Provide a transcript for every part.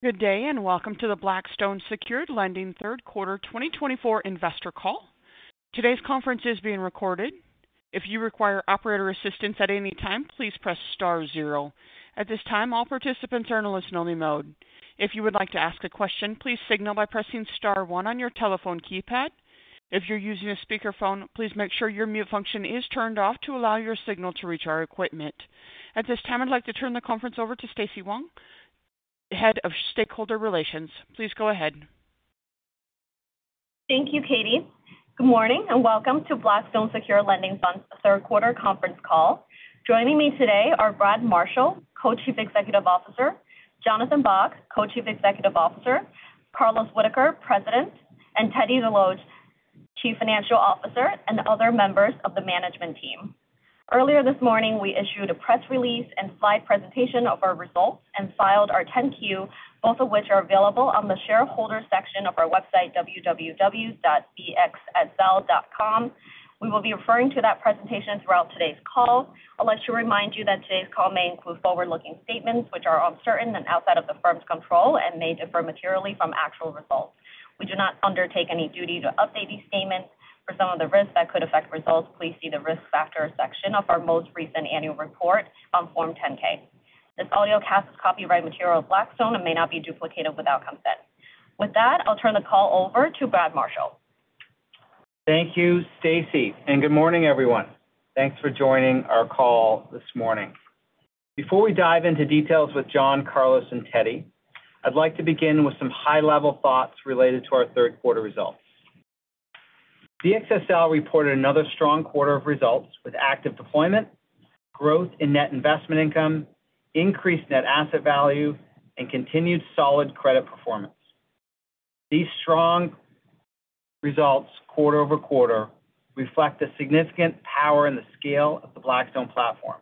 Good day and welcome to the Blackstone Secured Lending third quarter 2024 investor call. Today's conference is being recorded. If you require operator assistance at any time, please press star zero. At this time, all participants are in a listen-only mode. If you would like to ask a question, please signal by pressing star one on your telephone keypad. If you're using a speakerphone, please make sure your mute function is turned off to allow your signal to reach our equipment. At this time, I'd like to turn the conference over to Stacy Wang, head of stakeholder relations. Please go ahead. Thank you, Katie. Good morning and welcome to Blackstone Secured Lending Fund's third quarter conference call. Joining me today are Brad Marshall, Co-Chief Executive Officer; Jonathan Bock, Co-Chief Executive Officer; Carlos Whitaker, President; and Teddy Desloge, Chief Financial Officer and other members of the management team. Earlier this morning, we issued a press release and slide presentation of our results and filed our 10-Q, both of which are available on the shareholder section of our website, www.bxsl.com. We will be referring to that presentation throughout today's call. I'd like to remind you that today's call may include forward-looking statements, which are uncertain and outside of the firm's control and may differ materially from actual results. We do not undertake any duty to update these statements. For some of the risks that could affect results, please see the risk factor section of our most recent annual report on Form 10-K. This audio cast is copyright material of Blackstone and may not be duplicated without consent. With that, I'll turn the call over to Brad Marshall. Thank you, Stacy, and good morning, everyone. Thanks for joining our call this morning. Before we dive into details with John, Carlos, and Teddy, I'd like to begin with some high-level thoughts related to our third quarter results. BXSL reported another strong quarter of results with active deployment, growth in net investment income, increased net asset value, and continued solid credit performance. These strong results, quarter over quarter, reflect the significant power and the scale of the Blackstone platform,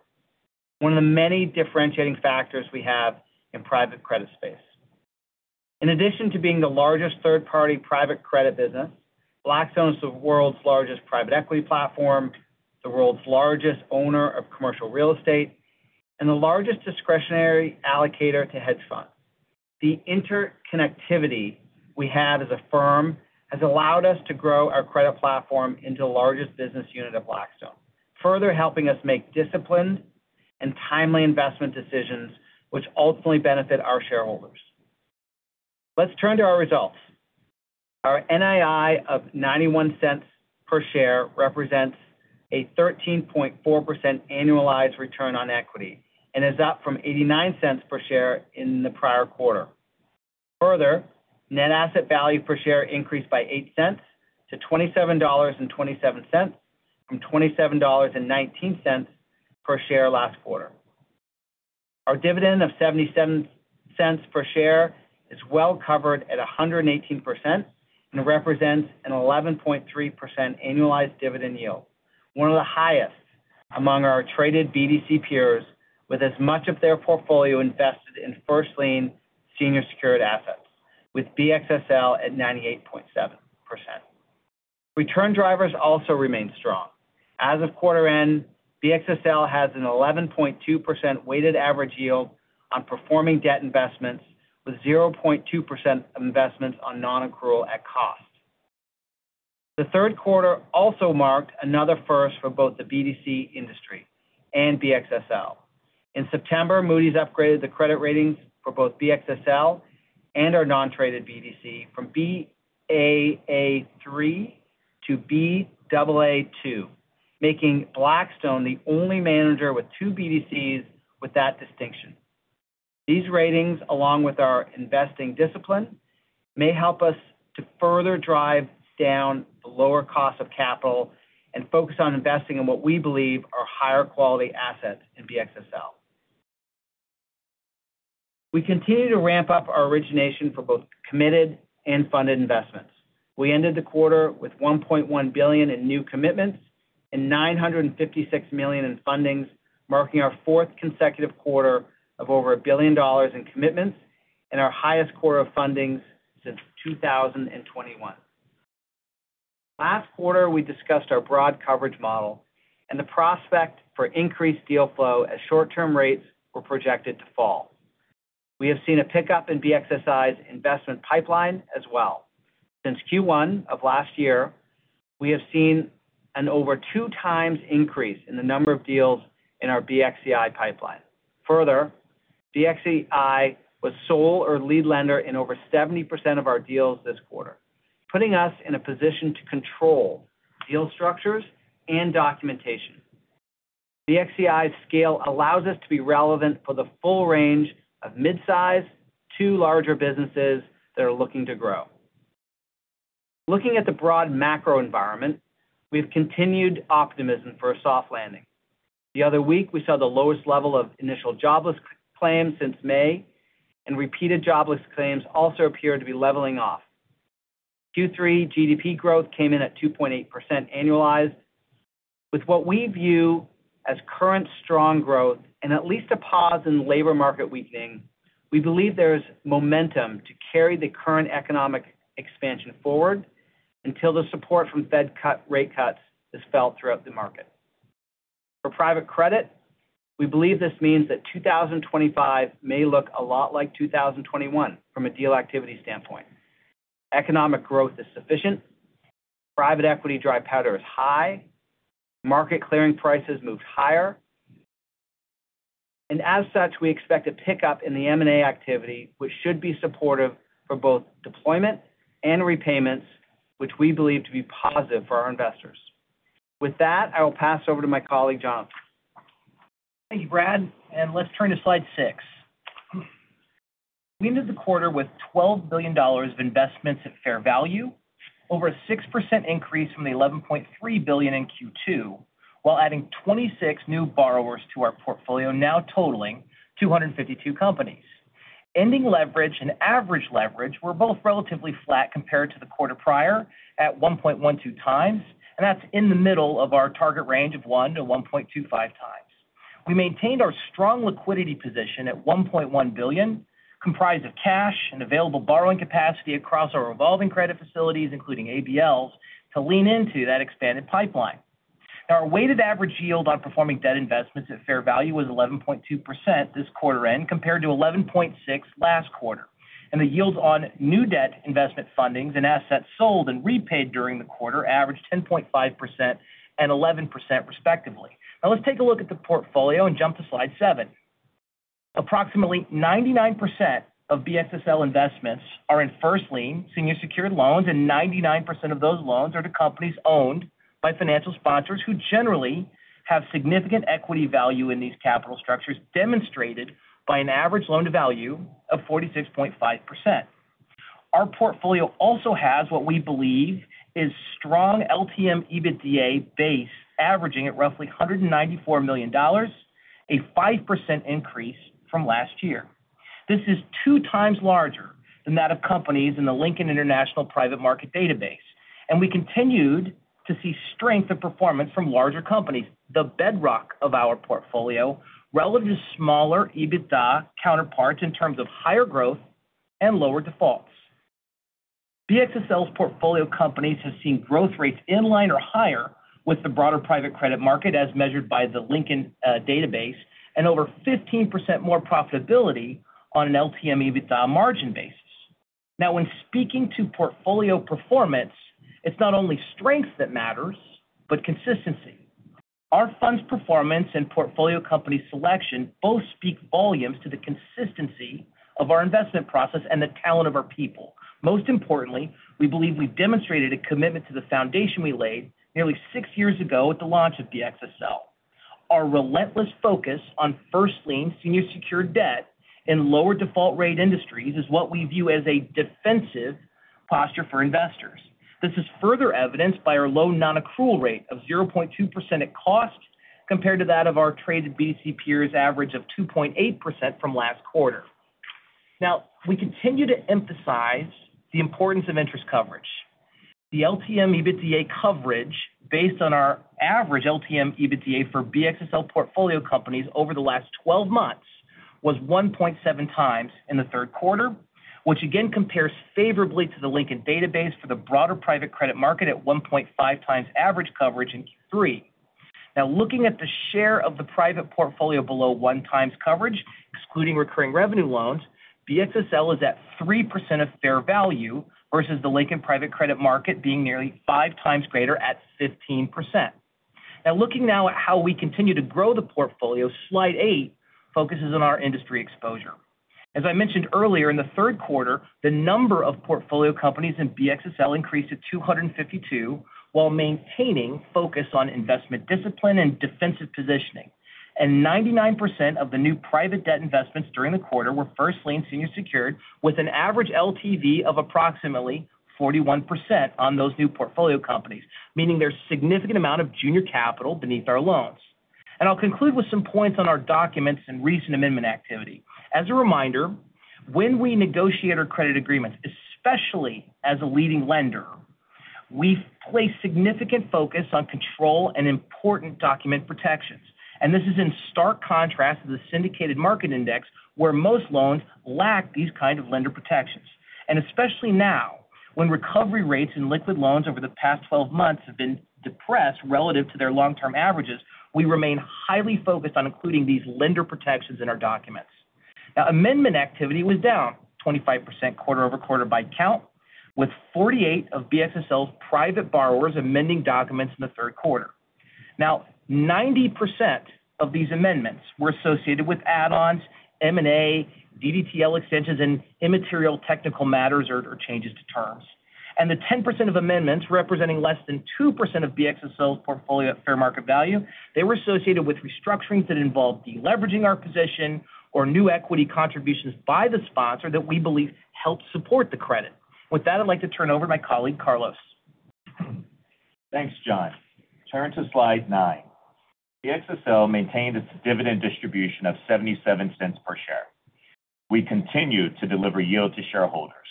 one of the many differentiating factors we have in private credit space. In addition to being the largest third-party private credit business, Blackstone is the world's largest private equity platform, the world's largest owner of commercial real estate, and the largest discretionary allocator to hedge funds. The interconnectivity we have as a firm has allowed us to grow our credit platform into the largest business unit of Blackstone, further helping us make disciplined and timely investment decisions, which ultimately benefit our shareholders. Let's turn to our results. Our NII of $0.91 per share represents a 13.4% annualized return on equity and is up from $0.89 per share in the prior quarter. Further, net asset value per share increased by $0.08 to $27.27 from $27.19 per share last quarter. Our dividend of $0.77 per share is well covered at 118% and represents an 11.3% annualized dividend yield, one of the highest among our traded BDC peers, with as much of their portfolio invested in first-lien senior secured assets, with BXSL at 98.7%. Return drivers also remain strong. As of quarter end, BXSL has an 11.2% weighted average yield on performing debt investments, with 0.2% investments on nonaccrual at cost. The third quarter also marked another first for both the BDC industry and BXSL. In September, Moody's upgraded the credit ratings for both BXSL and our non-traded BDC from Baa3 to Baa2, making Blackstone the only manager with two BDCs with that distinction. These ratings, along with our investing discipline, may help us to further drive down the lower cost of capital and focus on investing in what we believe are higher quality assets in BXSL. We continue to ramp up our origination for both committed and funded investments. We ended the quarter with $1.1 billion in new commitments and $956 million in fundings, marking our fourth consecutive quarter of over a billion dollars in commitments and our highest quarter of fundings since 2021. Last quarter, we discussed our broad coverage model and the prospect for increased deal flow as short-term rates were projected to fall. We have seen a pickup in BXCI's investment pipeline as well. Since Q1 of last year, we have seen an over two-times increase in the number of deals in our BXCI pipeline. Further, BXCI was sole or lead lender in over 70% of our deals this quarter, putting us in a position to control deal structures and documentation. BXCI's scale allows us to be relevant for the full range of mid-size to larger businesses that are looking to grow. Looking at the broad macro environment, we have continued optimism for a soft landing. The other week, we saw the lowest level of initial jobless claims since May, and repeated jobless claims also appear to be leveling off. Q3 GDP growth came in at 2.8% annualized. With what we view as current strong growth and at least a pause in labor market weakening, we believe there is momentum to carry the current economic expansion forward until the support from Fed rate cuts is felt throughout the market. For private credit, we believe this means that 2025 may look a lot like 2021 from a deal activity standpoint. Economic growth is sufficient. Private equity dry powder is high. Market clearing prices moved higher. And as such, we expect a pickup in the M&A activity, which should be supportive for both deployment and repayments, which we believe to be positive for our investors. With that, I will pass over to my colleague, Jonathan. Thank you, Brad. Let's turn to slide six. We ended the quarter with $12 billion of investments at fair value, over a 6% increase from the $11.3 billion in Q2, while adding 26 new borrowers to our portfolio, now totaling 252 companies. Ending leverage and average leverage were both relatively flat compared to the quarter prior at 1.12 times, and that's in the middle of our target range of 1-1.25 times. We maintained our strong liquidity position at $1.1 billion, comprised of cash and available borrowing capacity across our revolving credit facilities, including ABLs, to lean into that expanded pipeline. Now, our weighted average yield on performing debt investments at fair value was 11.2% this quarter end compared to 11.6% last quarter. The yields on new debt investment fundings and assets sold and repaid during the quarter averaged 10.5% and 11%, respectively. Now, let's take a look at the portfolio and jump to slide seven. Approximately 99% of BXSL investments are in first-lien senior secured loans, and 99% of those loans are to companies owned by financial sponsors who generally have significant equity value in these capital structures, demonstrated by an average loan-to-value of 46.5%. Our portfolio also has what we believe is strong LTM EBITDA base, averaging at roughly $194 million, a 5% increase from last year. This is two times larger than that of companies in the Lincoln International Private Market Database, and we continued to see strength of performance from larger companies, the bedrock of our portfolio, relative to smaller EBITDA counterparts in terms of higher growth and lower defaults. BXSL's portfolio companies have seen growth rates in line or higher with the broader private credit market, as measured by the Lincoln Database, and over 15% more profitability on an LTM EBITDA margin basis. Now, when speaking to portfolio performance, it's not only strength that matters, but consistency. Our fund's performance and portfolio company selection both speak volumes to the consistency of our investment process and the talent of our people. Most importantly, we believe we've demonstrated a commitment to the foundation we laid nearly six years ago at the launch of BXSL. Our relentless focus on first-lien senior secured debt in lower default-rate industries is what we view as a defensive posture for investors. This is further evidenced by our low non-accrual rate of 0.2% at cost compared to that of our traded BDC peers' average of 2.8% from last quarter. Now, we continue to emphasize the importance of interest coverage. The LTM EBITDA coverage based on our average LTM EBITDA for BXSL portfolio companies over the last 12 months was 1.7 times in the third quarter, which again compares favorably to the Lincoln Database for the broader private credit market at 1.5 times average coverage in Q3. Now, looking at the share of the private portfolio below one times coverage, excluding recurring revenue loans, BXSL is at 3% of fair value versus the Lincoln private credit market being nearly five times greater at 15%. Now, looking at how we continue to grow the portfolio, slide eight focuses on our industry exposure. As I mentioned earlier, in the third quarter, the number of portfolio companies in BXSL increased to 252 while maintaining focus on investment discipline and defensive positioning. 99% of the new private debt investments during the quarter were first-lien senior secured with an average LTV of approximately 41% on those new portfolio companies, meaning there's a significant amount of junior capital beneath our loans. I'll conclude with some points on our documents and recent amendment activity. As a reminder, when we negotiate our credit agreements, especially as a leading lender, we place significant focus on control and important document protections. This is in stark contrast to the syndicated market index, where most loans lack these kinds of lender protections. Especially now, when recovery rates in liquid loans over the past 12 months have been depressed relative to their long-term averages, we remain highly focused on including these lender protections in our documents. Now, amendment activity was down 25% quarter over quarter by count, with 48 of BXSL's private borrowers amending documents in the third quarter. Now, 90% of these amendments were associated with add-ons, M&A, DDTL extensions, and immaterial technical matters or changes to terms, and the 10% of amendments representing less than 2% of BXSL's portfolio at fair market value were associated with restructurings that involved deleveraging our position or new equity contributions by the sponsor that we believe helped support the credit. With that, I'd like to turn over to my colleague, Carlos. Thanks, John. Turn to slide nine. BXSL maintained its dividend distribution of $0.77 per share. We continue to deliver yield to shareholders,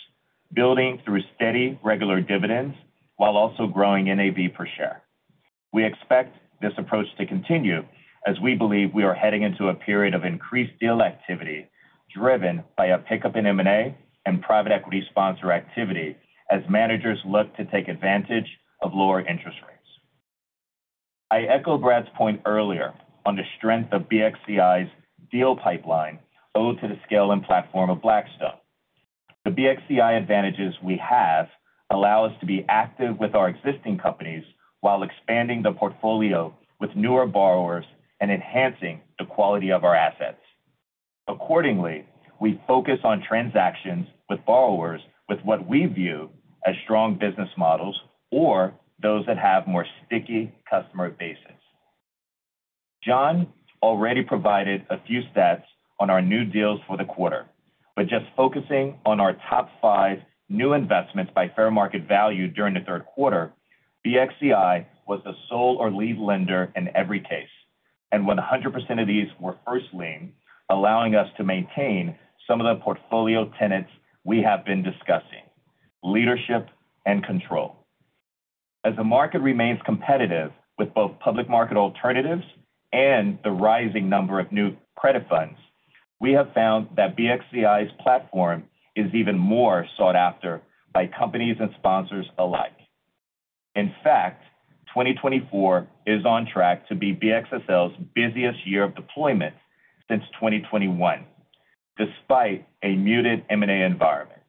building through steady, regular dividends while also growing NAV per share. We expect this approach to continue as we believe we are heading into a period of increased deal activity driven by a pickup in M&A and private equity sponsor activity as managers look to take advantage of lower interest rates. I echo Brad's point earlier on the strength of BXCI's deal pipeline owed to the scale and platform of Blackstone. The BXCI advantages we have allow us to be active with our existing companies while expanding the portfolio with newer borrowers and enhancing the quality of our assets. Accordingly, we focus on transactions with borrowers with what we view as strong business models or those that have more sticky customer bases. John already provided a few stats on our new deals for the quarter. But just focusing on our top five new investments by fair market value during the third quarter, BXCI was the sole or lead lender in every case. And 100% of these were first-lien, allowing us to maintain some of the portfolio tenets we have been discussing: leadership and control. As the market remains competitive with both public market alternatives and the rising number of new credit funds, we have found that BXCI's platform is even more sought after by companies and sponsors alike. In fact, 2024 is on track to be BXSL's busiest year of deployment since 2021, despite a muted M&A environment.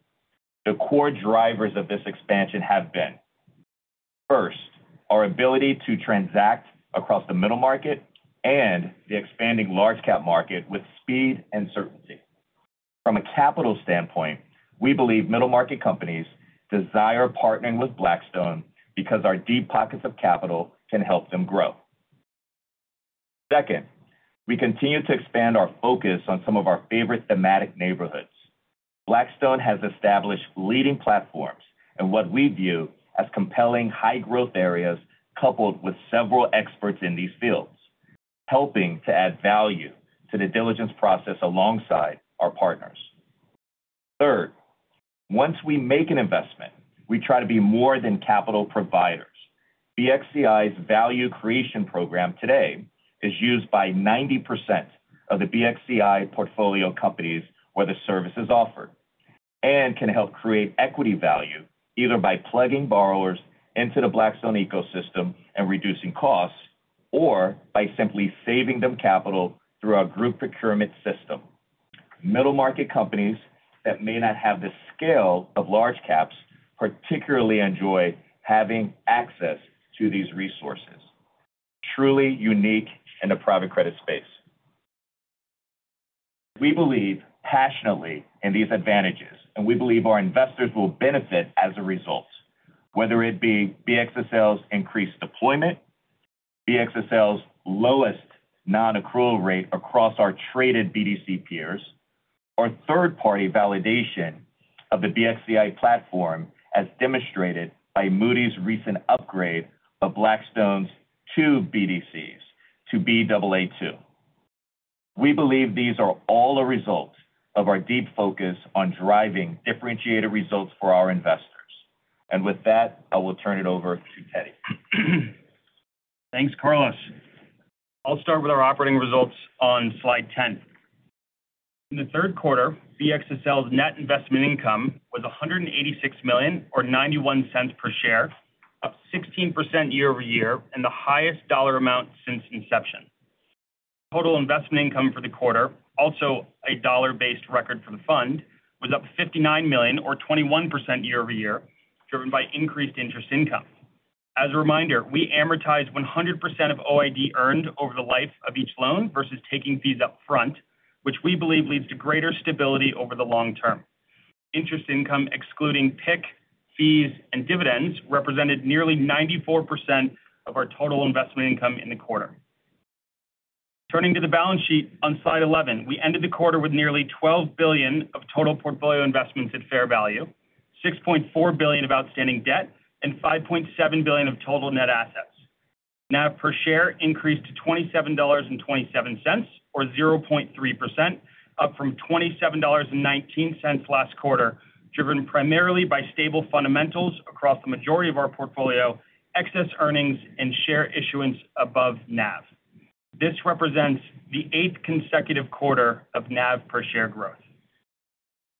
The core drivers of this expansion have been, first, our ability to transact across the middle market and the expanding large-cap market with speed and certainty. From a capital standpoint, we believe middle market companies desire partnering with Blackstone because our deep pockets of capital can help them grow. Second, we continue to expand our focus on some of our favorite thematic neighborhoods. Blackstone has established leading platforms in what we view as compelling high-growth areas coupled with several experts in these fields, helping to add value to the diligence process alongside our partners. Third, once we make an investment, we try to be more than capital providers. BXCI's value creation program today is used by 90% of the BXCI portfolio companies where the service is offered and can help create equity value either by plugging borrowers into the Blackstone ecosystem and reducing costs or by simply saving them capital through our group procurement system. Middle market companies that may not have the scale of large caps particularly enjoy having access to these resources. Truly unique in the private credit space. We believe passionately in these advantages, and we believe our investors will benefit as a result, whether it be BXSL's increased deployment, BXSL's lowest non-accrual rate across our traded BDC peers, or third-party validation of the BXCI platform as demonstrated by Moody's recent upgrade of Blackstone's two BDCs to BAA2. We believe these are all a result of our deep focus on driving differentiated results for our investors. And with that, I will turn it over to Teddy. Thanks, Carlos. I'll start with our operating results on slide 10. In the third quarter, BXSL's net investment income was $186 million or $0.91 per share, up 16% year over year, and the highest dollar amount since inception. Total investment income for the quarter, also a dollar-based record for the fund, was up $59 million or 21% year over year, driven by increased interest income. As a reminder, we amortized 100% of OID earned over the life of each loan versus taking fees upfront, which we believe leads to greater stability over the long term. Interest income, excluding PIK, fees, and dividends, represented nearly 94% of our total investment income in the quarter. Turning to the balance sheet on slide 11, we ended the quarter with nearly $12 billion of total portfolio investments at fair value, $6.4 billion of outstanding debt, and $5.7 billion of total net assets. NAV per share increased to $27.27 or 0.3%, up from $27.19 last quarter, driven primarily by stable fundamentals across the majority of our portfolio, excess earnings, and share issuance above NAV. This represents the eighth consecutive quarter of NAV per share growth.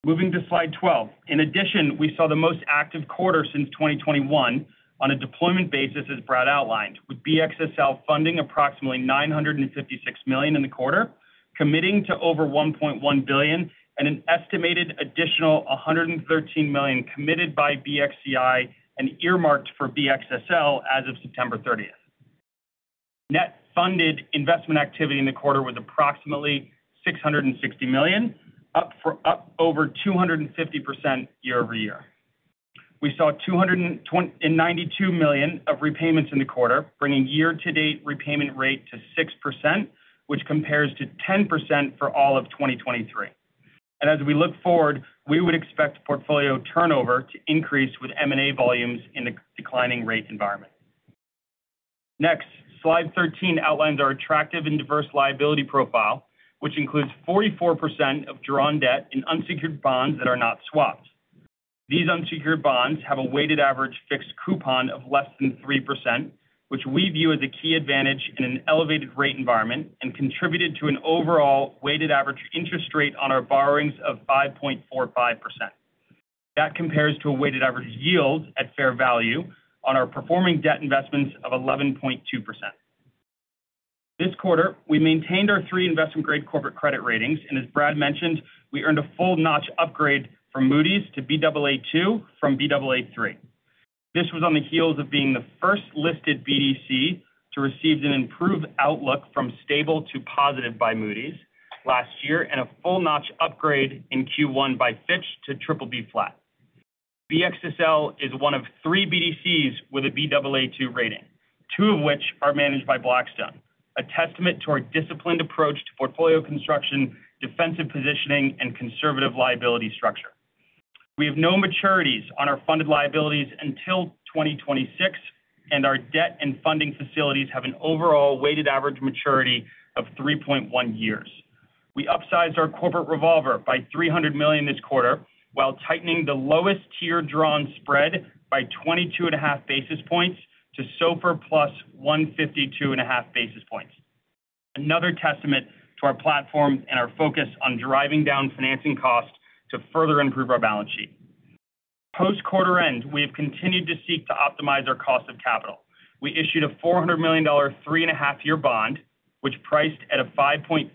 Moving to slide 12. In addition, we saw the most active quarter since 2021 on a deployment basis, as Brad outlined, with BXSL funding approximately $956 million in the quarter, committing to over $1.1 billion, and an estimated additional $113 million committed by BXCI and earmarked for BXSL as of September 30th. Net funded investment activity in the quarter was approximately $660 million, up over 250% year over year. We saw $292 million of repayments in the quarter, bringing year-to-date repayment rate to 6%, which compares to 10% for all of 2023. As we look forward, we would expect portfolio turnover to increase with M&A volumes in a declining rate environment. Next, slide 13 outlines our attractive and diverse liability profile, which includes 44% of drawn debt in unsecured bonds that are not swapped. These unsecured bonds have a weighted average fixed coupon of less than 3%, which we view as a key advantage in an elevated rate environment and contributed to an overall weighted average interest rate on our borrowings of 5.45%. That compares to a weighted average yield at fair value on our performing debt investments of 11.2%. This quarter, we maintained our three investment-grade corporate credit ratings. As Brad mentioned, we earned a full-notch upgrade from Moody's to BAA2 from BAA3. This was on the heels of being the first listed BDC to receive an improved outlook from stable to positive by Moody's last year and a full-notch upgrade in Q1 by Fitch to BBB Flat. BXSL is one of three BDCs with a BAA2 rating, two of which are managed by Blackstone, a testament to our disciplined approach to portfolio construction, defensive positioning, and conservative liability structure. We have no maturities on our funded liabilities until 2026, and our debt and funding facilities have an overall weighted average maturity of 3.1 years. We upsized our corporate revolver by $300 million this quarter while tightening the lowest tier drawn spread by 22.5 basis points to SOFR plus 152.5 basis points. Another testament to our platform and our focus on driving down financing costs to further improve our balance sheet. Post-quarter end, we have continued to seek to optimize our cost of capital. We issued a $400 million three-and-a-half-year bond, which priced at a 5.35%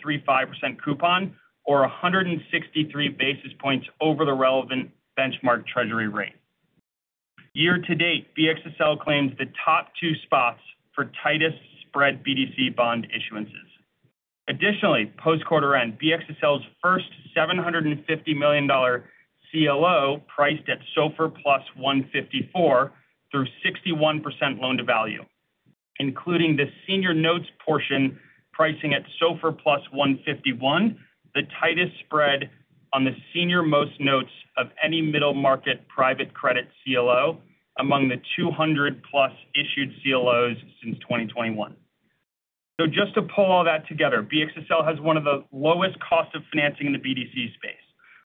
coupon or 163 basis points over the relevant benchmark Treasury rate. Year-to-date, BXSL claims the top two spots for tightest spread BDC bond issuances. Additionally, post-quarter end, BXSL's first $750 million CLO priced at SOFR plus 154 through 61% loan-to-value, including the senior notes portion pricing at SOFR plus 151, the tightest spread on the senior most notes of any middle market private credit CLO among the 200-plus issued CLOs since 2021, so just to pull all that together, BXSL has one of the lowest costs of financing in the BDC space.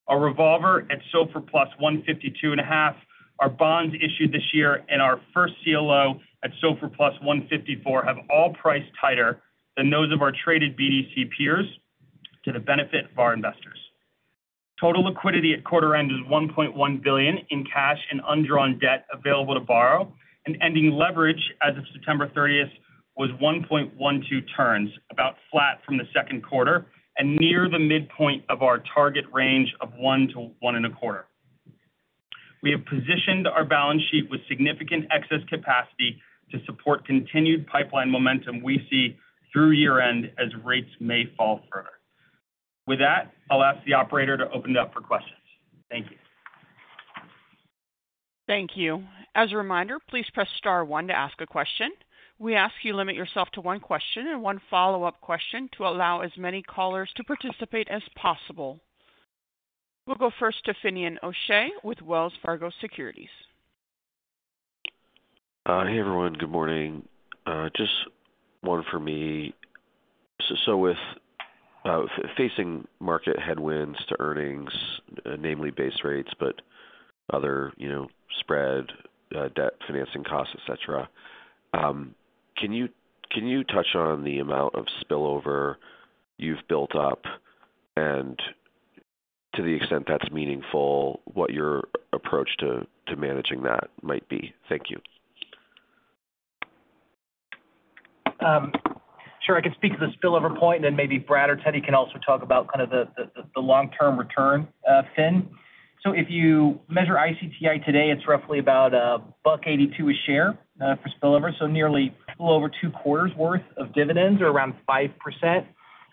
Our revolver at SOFR plus 152.5, our bonds issued this year, and our first CLO at SOFR plus 154 have all priced tighter than those of our traded BDC peers to the benefit of our investors. Total liquidity at quarter end is $1.1 billion in cash and undrawn debt available to borrow, and ending leverage as of September 30th was 1.12 turns, about flat from the second quarter and near the midpoint of our target range of one to one and a quarter. We have positioned our balance sheet with significant excess capacity to support continued pipeline momentum we see through year-end as rates may fall further. With that, I'll ask the operator to open it up for questions. Thank you. Thank you. As a reminder, please press star one to ask a question. We ask you limit yourself to one question and one follow-up question to allow as many callers to participate as possible. We'll go first to Finian O'Shea with Wells Fargo Securities. Hey, everyone. Good morning. Just one for me. So with facing market headwinds to earnings, namely base rates, but other spread debt financing costs, etc., can you touch on the amount of spillover you've built up and, to the extent that's meaningful, what your approach to managing that might be? Thank you. Sure. I can speak to the spillover point, and then maybe Brad or Teddy can also talk about kind of the long-term return, Finn. So if you measure ICTI today, it's roughly about $1.82 a share for spillover, so nearly a little over two quarters' worth of dividends or around 5%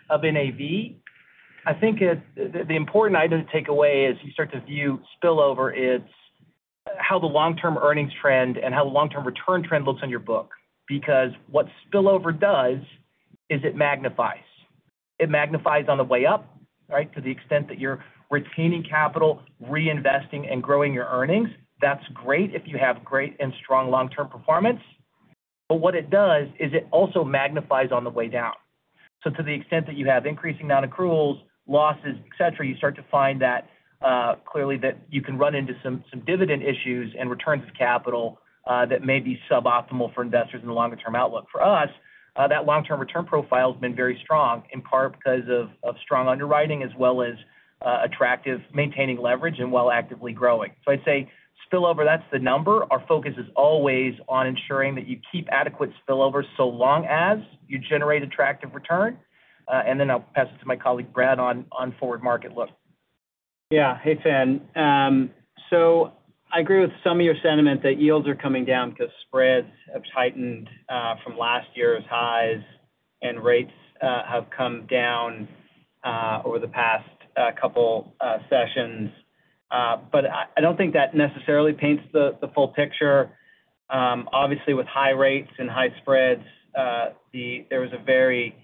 of NAV. I think the important item to take away as you start to view spillover is how the long-term earnings trend and how the long-term return trend looks on your book. Because what spillover does is it magnifies. It magnifies on the way up, right, to the extent that you're retaining capital, reinvesting, and growing your earnings. That's great if you have great and strong long-term performance. But what it does is it also magnifies on the way down. To the extent that you have increasing non-accruals, losses, etc., you start to find that clearly that you can run into some dividend issues and returns of capital that may be suboptimal for investors in the longer-term outlook. For us, that long-term return profile has been very strong, in part because of strong underwriting as well as attractive maintaining leverage and while actively growing. I'd say spillover, that's the number. Our focus is always on ensuring that you keep adequate spillover so long as you generate attractive return. I'll pass it to my colleague Brad on forward market look. Yeah. Hey, Finian. So I agree with some of your sentiment that yields are coming down because spreads have tightened from last year's highs and rates have come down over the past couple of sessions. But I don't think that necessarily paints the full picture. Obviously, with high rates and high spreads, there was a very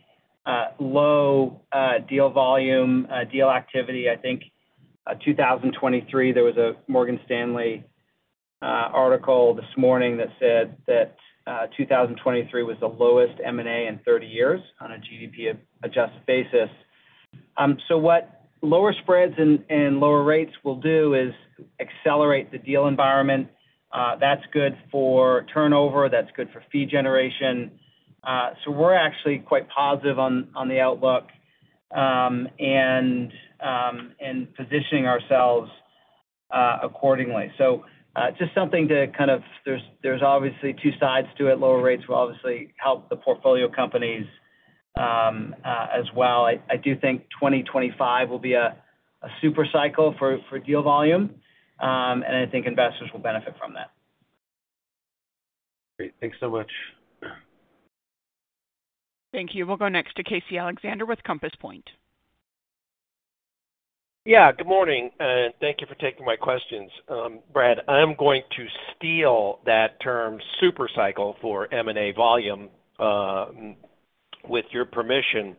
low deal volume, deal activity. I think 2023, there was a Morgan Stanley article this morning that said that 2023 was the lowest M&A in 30 years on a GDP-adjusted basis. So what lower spreads and lower rates will do is accelerate the deal environment. That's good for turnover. That's good for fee generation. So we're actually quite positive on the outlook and positioning ourselves accordingly. So just something to kind of there's obviously two sides to it. Lower rates will obviously help the portfolio companies as well. I do think 2025 will be a super cycle for deal volume, and I think investors will benefit from that. Great. Thanks so much. Thank you. We'll go next to Casey Alexander with Compass Point. Yeah. Good morning. And thank you for taking my questions. Brad, I'm going to steal that term super cycle for M&A volume with your permission.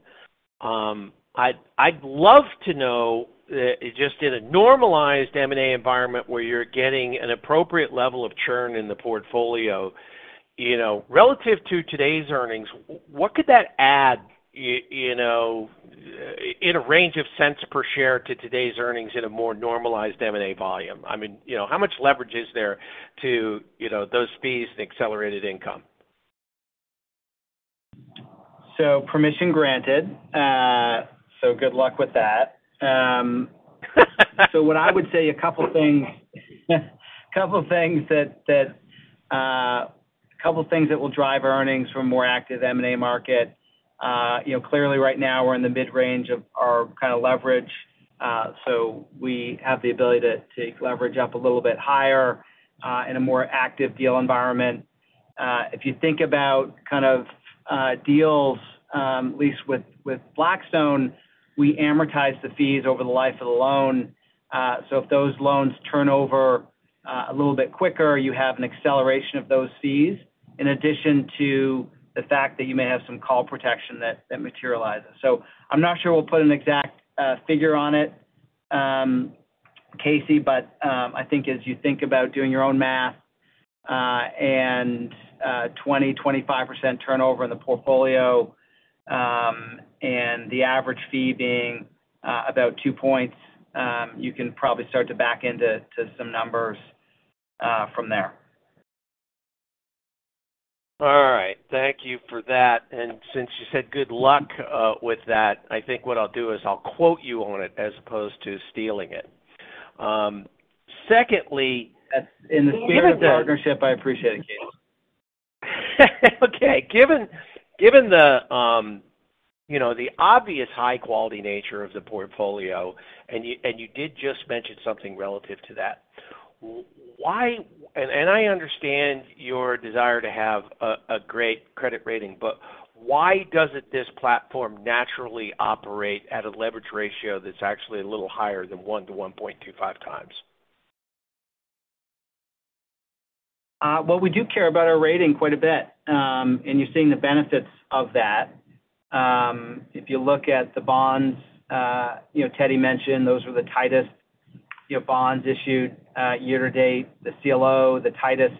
I'd love to know just in a normalized M&A environment where you're getting an appropriate level of churn in the portfolio, relative to today's earnings, what could that add in a range of cents per share to today's earnings in a more normalized M&A volume? I mean, how much leverage is there to those fees and accelerated income? So permission granted. So good luck with that. So what I would say, a couple of things that will drive earnings from a more active M&A market. Clearly, right now, we're in the mid-range of our kind of leverage. So we have the ability to leverage up a little bit higher in a more active deal environment. If you think about kind of deals, at least with Blackstone, we amortize the fees over the life of the loan. So if those loans turn over a little bit quicker, you have an acceleration of those fees in addition to the fact that you may have some call protection that materializes. So I'm not sure we'll put an exact figure on it, Casey, but I think as you think about doing your own math and 20%-25% turnover in the portfolio and the average fee being about two points, you can probably start to back into some numbers from there. All right. Thank you for that, and since you said good luck with that, I think what I'll do is I'll quote you on it as opposed to stealing it. Secondly. That's in the spirit of the. Given the partnership, I appreciate it, Casey. Okay. Given the obvious high-quality nature of the portfolio, and you did just mention something relative to that, and I understand your desire to have a great credit rating, but why doesn't this platform naturally operate at a leverage ratio that's actually a little higher than one to 1.25 times? We do care about our rating quite a bit, and you're seeing the benefits of that. If you look at the bonds Teddy mentioned, those were the tightest bonds issued year-to-date. The CLO, the tightest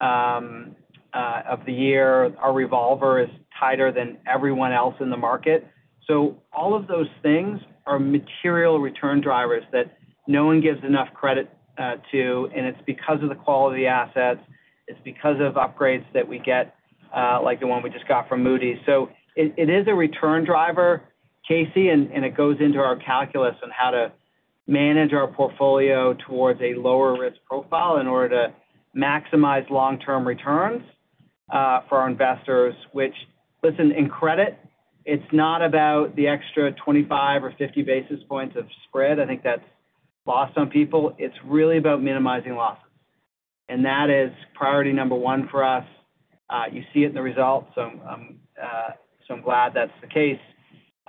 of the year. Our revolver is tighter than everyone else in the market, all of those things are material return drivers that no one gives enough credit to. It's because of the quality assets. It's because of upgrades that we get, like the one we just got from Moody's. It is a return driver, Casey, and it goes into our calculus on how to manage our portfolio towards a lower risk profile in order to maximize long-term returns for our investors, which, listen, in credit, it's not about the extra 25 or 50 basis points of spread. I think that's lost on people. It's really about minimizing losses. And that is priority number one for us. You see it in the results, so I'm glad that's the case.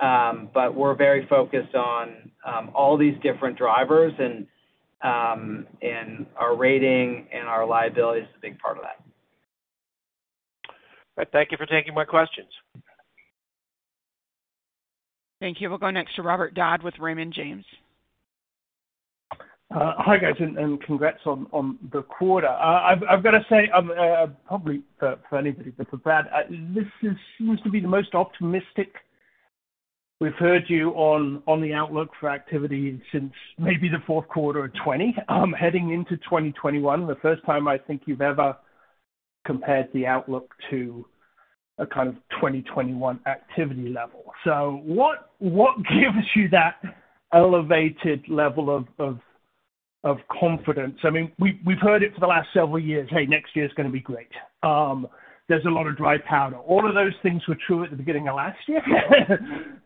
But we're very focused on all these different drivers, and our rating and our liability is a big part of that. Thank you for taking my questions. Thank you. We'll go next to Robert Dodd with Raymond James. Hi, guys, and congrats on the quarter. I've got to say, probably for anybody but for Brad, this seems to be the most optimistic we've heard you on the outlook for activity since maybe the fourth quarter of 2020, heading into 2021, the first time I think you've ever compared the outlook to a kind of 2021 activity level. So what gives you that elevated level of confidence? I mean, we've heard it for the last several years, "Hey, next year's going to be great. There's a lot of dry powder." All of those things were true at the beginning of last year.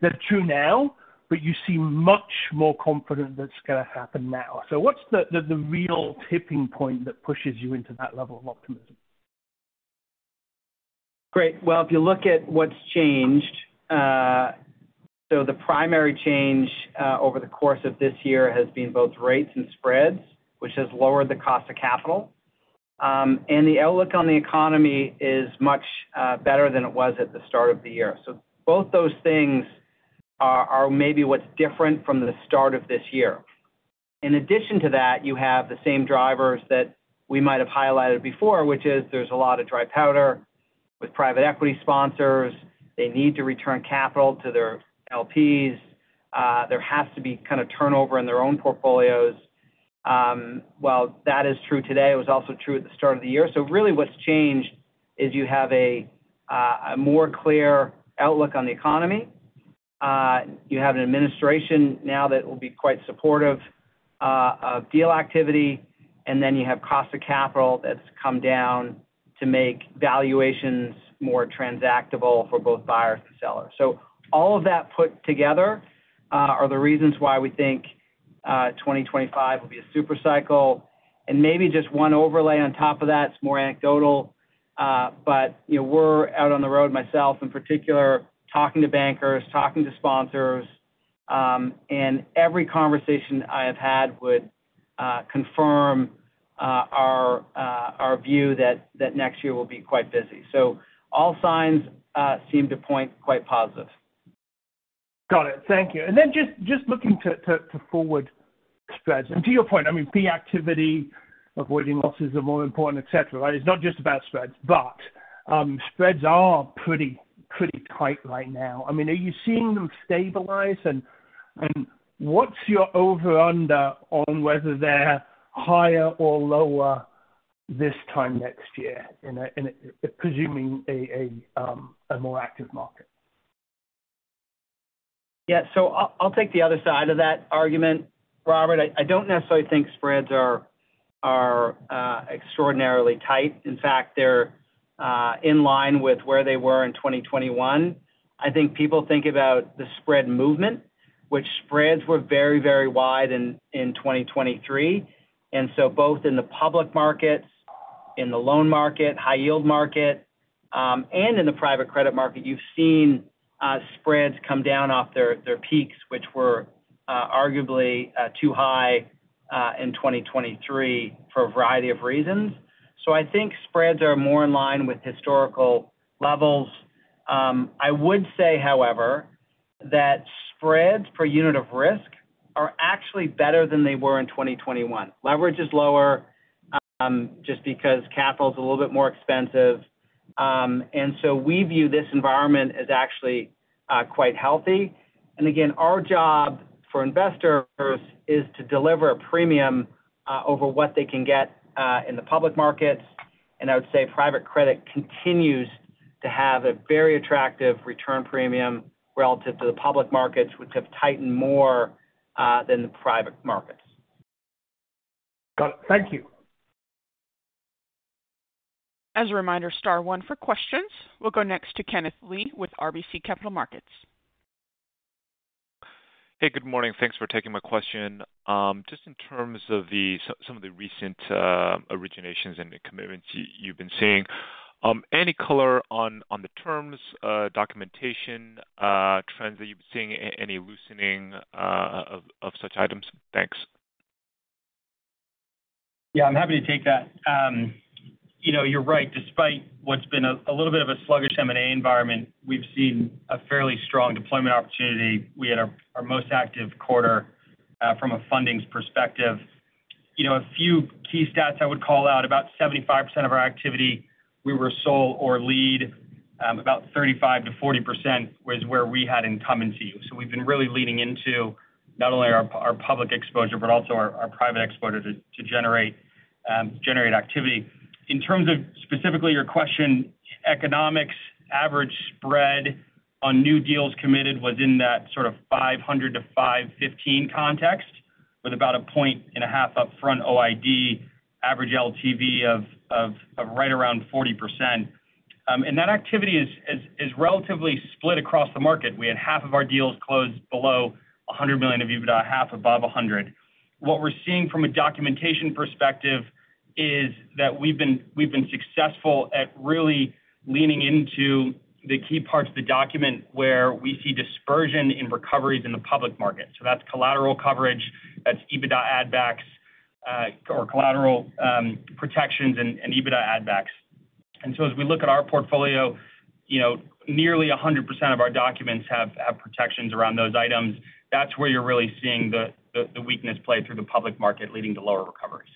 They're true now, but you seem much more confident that's going to happen now. So what's the real tipping point that pushes you into that level of optimism? Great, well, if you look at what's changed, so the primary change over the course of this year has been both rates and spreads, which has lowered the cost of capital, and the outlook on the economy is much better than it was at the start of the year, so both those things are maybe what's different from the start of this year. In addition to that, you have the same drivers that we might have highlighted before, which is there's a lot of dry powder with private equity sponsors. They need to return capital to their LPs. There has to be kind of turnover in their own portfolios, well, that is true today. It was also true at the start of the year, so really what's changed is you have a more clear outlook on the economy. You have an administration now that will be quite supportive of deal activity. And then you have cost of capital that's come down to make valuations more transactable for both buyers and sellers. So all of that put together are the reasons why we think 2025 will be a super cycle. And maybe just one overlay on top of that, it's more anecdotal, but we're out on the road, myself in particular, talking to bankers, talking to sponsors. And every conversation I have had would confirm our view that next year will be quite busy. So all signs seem to point quite positive. Got it. Thank you, and then just looking to forward spreads, and to your point, I mean, peak activity, avoiding losses are more important, etc., right? It's not just about spreads, but spreads are pretty tight right now. I mean, are you seeing them stabilize, and what's your over/under on whether they're higher or lower this time next year, presuming a more active market? Yeah. So I'll take the other side of that argument, Robert. I don't necessarily think spreads are extraordinarily tight. In fact, they're in line with where they were in 2021. I think people think about the spread movement, which spreads were very, very wide in 2023. And so both in the public markets, in the loan market, high-yield market, and in the private credit market, you've seen spreads come down off their peaks, which were arguably too high in 2023 for a variety of reasons. So I think spreads are more in line with historical levels. I would say, however, that spreads per unit of risk are actually better than they were in 2021. Leverage is lower just because capital is a little bit more expensive. And so we view this environment as actually quite healthy. And again, our job for investors is to deliver a premium over what they can get in the public markets. And I would say private credit continues to have a very attractive return premium relative to the public markets, which have tightened more than the private markets. Got it. Thank you. As a reminder, star one for questions. We'll go next to Kenneth Lee with RBC Capital Markets. Hey, good morning. Thanks for taking my question. Just in terms of some of the recent originations and commitments you've been seeing, any color on the terms, documentation, trends that you've been seeing, any loosening of such items? Thanks. Yeah. I'm happy to take that. You're right. Despite what's been a little bit of a sluggish M&A environment, we've seen a fairly strong deployment opportunity. We had our most active quarter from a funding perspective. A few key stats I would call out: about 75% of our activity, we were sole or lead. About 35%-40% was where we had incumbency. So we've been really leaning into not only our public exposure but also our private exposure to generate activity. In terms of specifically your question, economics, average spread on new deals committed was in that sort of 500-515 context with about a point and a half upfront OID, average LTV of right around 40%, and that activity is relatively split across the market. We had half of our deals close below 100 million of EBITDA, half above 100. What we're seeing from a documentation perspective is that we've been successful at really leaning into the key parts of the document where we see dispersion in recoveries in the public market. So that's collateral coverage. That's EBITDA addbacks or collateral protections and EBITDA addbacks. And so as we look at our portfolio, nearly 100% of our documents have protections around those items. That's where you're really seeing the weakness play through the public market, leading to lower recoveries.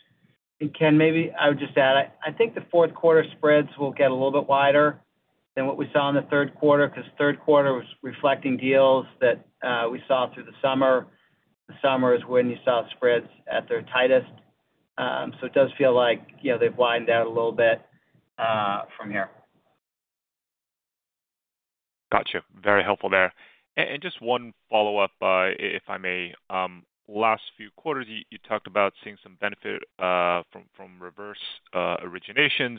Ken, maybe I would just add, I think the fourth quarter spreads will get a little bit wider than what we saw in the third quarter because third quarter was reflecting deals that we saw through the summer. The summer is when you saw spreads at their tightest. So it does feel like they've widened out a little bit from here. Gotcha. Very helpful there. And just one follow-up, if I may. Last few quarters, you talked about seeing some benefit from reverse originations.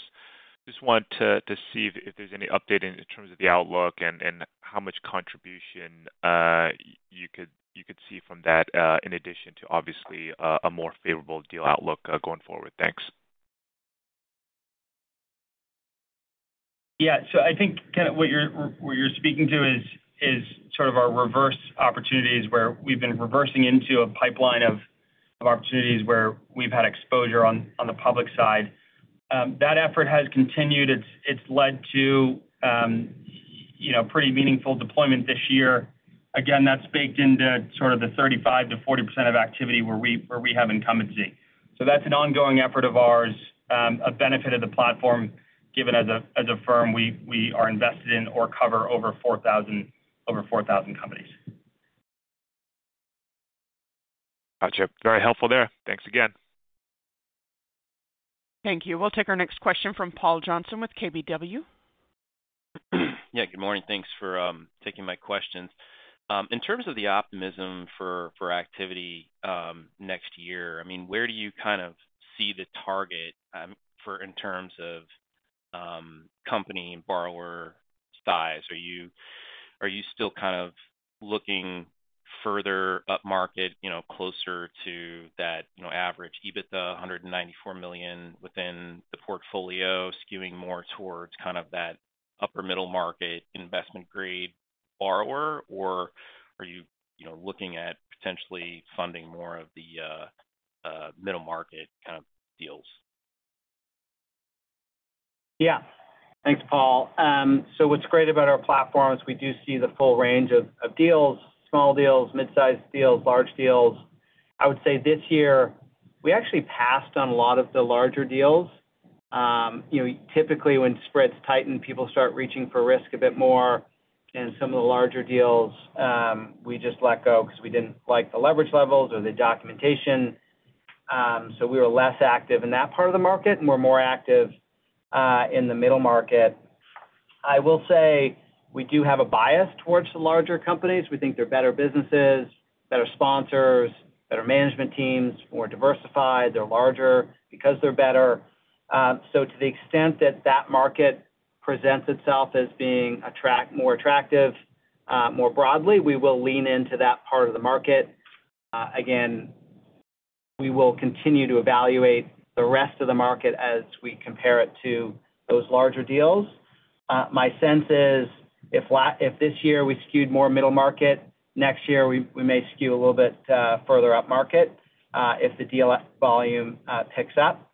Just want to see if there's any update in terms of the outlook and how much contribution you could see from that in addition to, obviously, a more favorable deal outlook going forward. Thanks. Yeah. So I think kind of what you're speaking to is sort of our reverse opportunities where we've been reversing into a pipeline of opportunities where we've had exposure on the public side. That effort has continued. It's led to pretty meaningful deployment this year. Again, that's baked into sort of the 35%-40% of activity where we have incumbency. So that's an ongoing effort of ours, a benefit of the platform, given as a firm we are invested in or cover over 4,000 companies. Gotcha. Very helpful there. Thanks again. Thank you. We'll take our next question from Paul Johnson with KBW. Yeah. Good morning. Thanks for taking my questions. In terms of the optimism for activity next year, I mean, where do you kind of see the target in terms of company and borrower size? Are you still kind of looking further upmarket, closer to that average EBITDA, $194 million within the portfolio, skewing more towards kind of that upper-middle market investment-grade borrower, or are you looking at potentially funding more of the middle-market kind of deals? Yeah. Thanks, Paul. So what's great about our platform is we do see the full range of deals: small deals, mid-sized deals, large deals. I would say this year, we actually passed on a lot of the larger deals. Typically, when spreads tighten, people start reaching for risk a bit more. And some of the larger deals, we just let go because we didn't like the leverage levels or the documentation. So we were less active in that part of the market, and we're more active in the middle market. I will say we do have a bias towards the larger companies. We think they're better businesses, better sponsors, better management teams, more diversified. They're larger because they're better. So to the extent that that market presents itself as being more attractive more broadly, we will lean into that part of the market. Again, we will continue to evaluate the rest of the market as we compare it to those larger deals. My sense is if this year we skewed more middle market, next year we may skew a little bit further upmarket if the deal volume picks up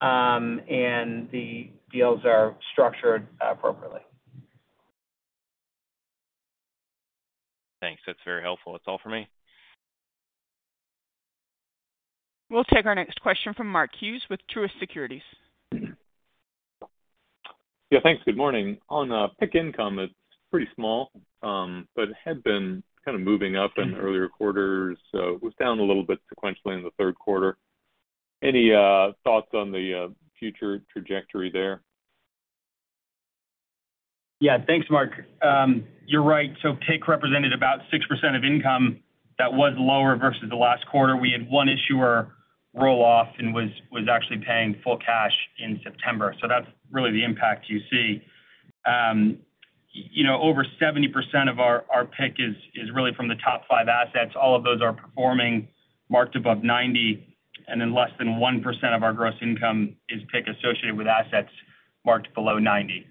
and the deals are structured appropriately. Thanks. That's very helpful. That's all for me. We'll take our next question from Mark Hughes with Truist Securities. Yeah. Thanks. Good morning. On PIK income, it's pretty small, but it had been kind of moving up in earlier quarters. So it was down a little bit sequentially in the third quarter. Any thoughts on the future trajectory there? Yeah. Thanks, Mark. You're right. So PIK represented about 6% of income. That was lower versus the last quarter. We had one issuer roll off and was actually paying full cash in September. So that's really the impact you see. Over 70% of our PIK is really from the top five assets. All of those are performing, marked above 90, and then less than 1% of our gross income is PIK associated with assets marked below 90.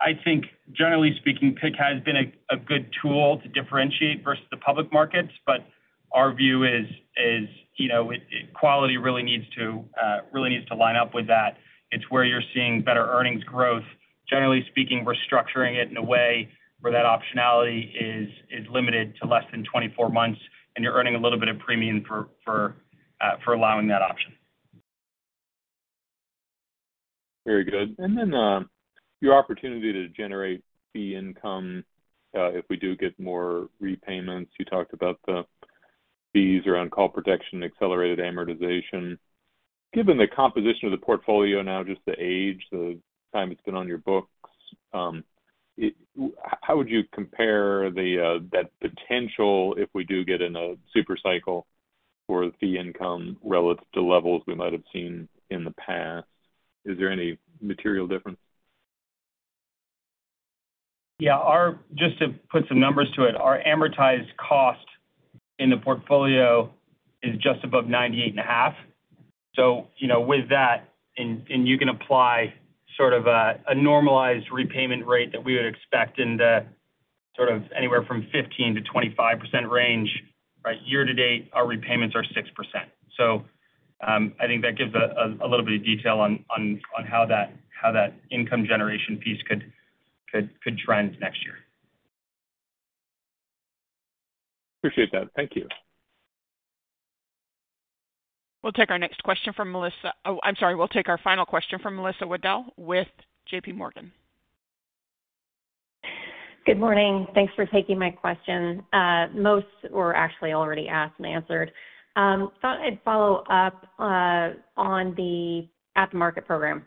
I think, generally speaking, PIK has been a good tool to differentiate versus the public markets, but our view is quality really needs to line up with that. It's where you're seeing better earnings growth. Generally speaking, we're structuring it in a way where that optionality is limited to less than 24 months, and you're earning a little bit of premium for allowing that option. Very good. And then your opportunity to generate fee income if we do get more repayments. You talked about the fees around call protection, accelerated amortization. Given the composition of the portfolio now, just the age, the time it's been on your books, how would you compare that potential if we do get in a super cycle for the fee income relative to levels we might have seen in the past? Is there any material difference? Yeah. Just to put some numbers to it, our amortized cost in the portfolio is just above 98.5. So with that, and you can apply sort of a normalized repayment rate that we would expect in the sort of anywhere from 15%-25% range, right? Year to date, our repayments are 6%. So I think that gives a little bit of detail on how that income generation piece could trend next year. Appreciate that. Thank you. We'll take our next question from Melissa. Oh, I'm sorry. We'll take our final question from Melissa Wedel with J.P. Morgan. Good morning. Thanks for taking my question. Most were actually already asked and answered. Thought I'd follow up on the at-the-market program.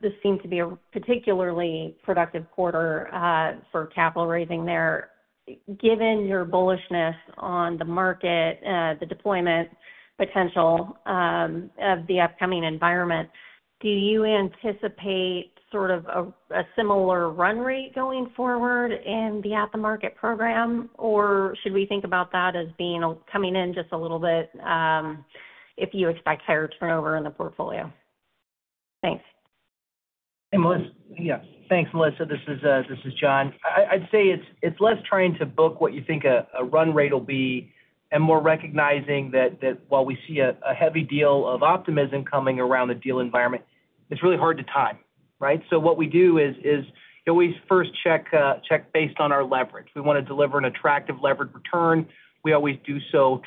This seemed to be a particularly productive quarter for capital raising there. Given your bullishness on the market, the deployment potential of the upcoming environment, do you anticipate sort of a similar run rate going forward in the at-the-market program, or should we think about that as coming in just a little bit if you expect higher turnover in the portfolio? Thanks. Yeah. Thanks, Melissa. This is John. I'd say it's less trying to book what you think a run rate will be and more recognizing that while we see a heavy deal of optimism coming around the deal environment, it's really hard to time, right? So what we do is we always first check based on our leverage. We want to deliver an attractive leverage return. We always do so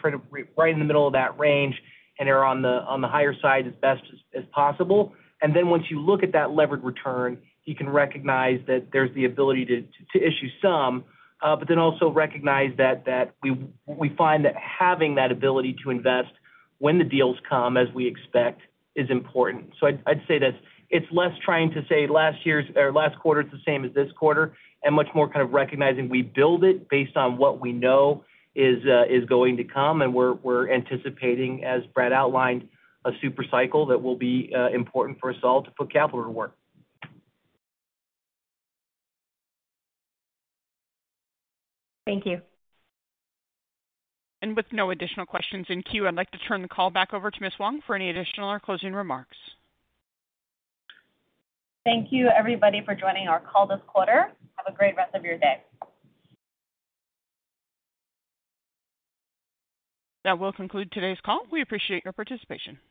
right in the middle of that range and are on the higher side as best as possible. And then once you look at that leverage return, you can recognize that there's the ability to issue some, but then also recognize that we find that having that ability to invest when the deals come as we expect is important. So I'd say this. It's less trying to say last year's or last quarter is the same as this quarter and much more kind of recognizing we build it based on what we know is going to come, and we're anticipating, as Brad outlined, a super cycle that will be important for us all to put capital to work. Thank you. With no additional questions in queue, I'd like to turn the call back over to Ms. Wang for any additional or closing remarks. Thank you, everybody, for joining our call this quarter. Have a great rest of your day. That will conclude today's call. We appreciate your participation.